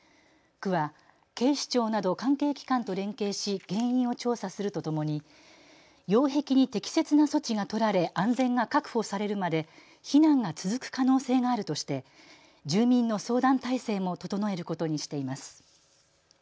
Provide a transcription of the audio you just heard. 区は警視庁など関係機関と連携し原因を調査するとともに擁壁に適切な措置が取られ安全が確保されるまで避難が続く可能性があるとして住民の相談態勢も整えることにしています。